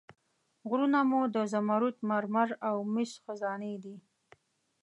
غرونه مو د زمرد، مرمر او مسو خزانې دي.